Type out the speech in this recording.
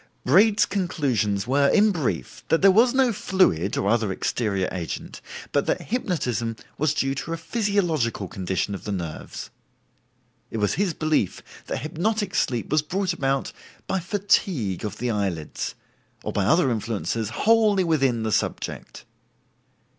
Braid's conclusions were, in brief, that there was no fluid, or other exterior agent, but that hypnotism was due to a physiological condition of the nerves. It was his belief that hypnotic sleep was brought about by fatigue of the eyelids, or by other influences wholly within the subject.